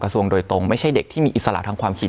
ส่วนโดยตรงไม่ใช่เด็กที่มีอิสระทางความคิด